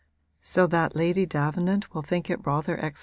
'So that Lady Davenant will think it rather extraordinary?'